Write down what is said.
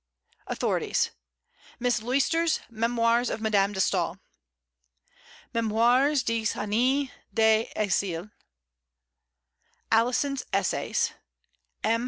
AUTHORITIES. Miss Luyster's Memoirs of Madame de Staël; Mémoires Dix Années d'Exil; Alison's Essays; M.